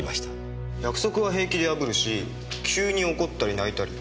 約束は平気で破るし急に怒ったり泣いたり。